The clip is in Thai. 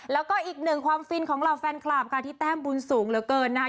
แล้วก็อีกหนึ่งความฟินของเหล่าแฟนคลับค่ะที่แต้มบุญสูงเหลือเกินนะคะ